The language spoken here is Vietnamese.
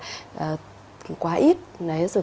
các cô cũng không thể nhắc nhở kỹ được